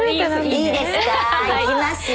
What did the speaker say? いきますよ。